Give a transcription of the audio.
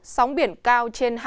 sóng biển cao trên hai